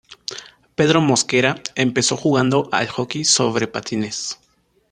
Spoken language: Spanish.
Pedro Mosquera empezó jugando al hockey sobre patines.